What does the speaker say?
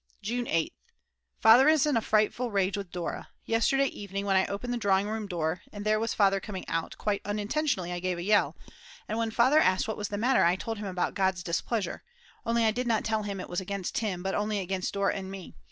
June 8th. Father is in a frightful rage with Dora; yesterday evening, when I opened the drawing room door and there was Father coming out, quite unintentionally I gave a yell, and when Father asked what was the matter I told him about God's displeasure; only I did not tell him it was against him, but only against Dora and me.